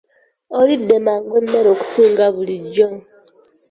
Olidde mangu emmere okusinga bulijjo!